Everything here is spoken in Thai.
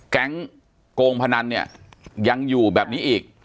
ปากกับภาคภูมิ